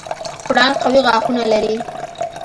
پړانګ قوي غاښونه لري.